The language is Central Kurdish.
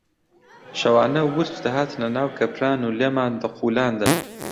شەوانە ورچ دەهاتنە ناو کەپران و لێمان دەقوولاندن